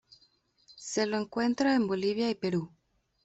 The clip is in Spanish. Se lo encuentra en Bolivia y Perú.